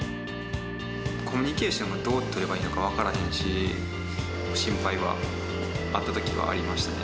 コミュニケーションをどう取ればいいのか分からへんし、心配はあったときはありましたね。